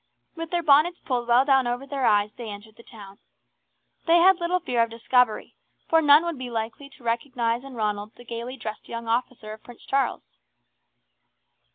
With their bonnets pulled well down over their eyes they entered the town. They had little fear of discovery, for none would be likely to recognize in Ronald the gaily dressed young officer of Prince Charles.